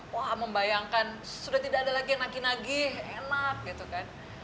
wah membayangkan sudah tidak ada lagi yang nagih nagih enak gitu kan